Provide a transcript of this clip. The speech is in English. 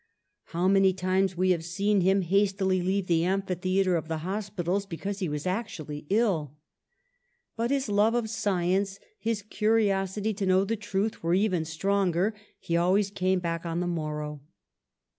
^^How many times we have seen him hastily leave the amphitheatre of the hospitals because he was actually ill! But his love of science, his curiosity to know the truth were even stronger; he always came back on the morrow.'